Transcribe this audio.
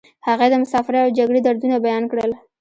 هغې د مسافرۍ او جګړې دردونه بیان کړل